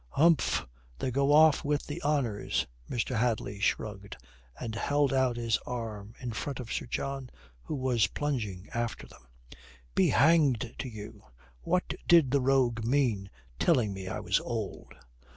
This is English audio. "Humph, they go off with the honours." Mr. Hadley shrugged, and held out his arm in front of Sir John, who was plunging after them. "Be hanged to you. What did the rogue mean, telling me I was old?"